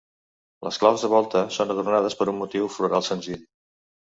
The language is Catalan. Les claus de volta són adornades per un motiu floral senzill.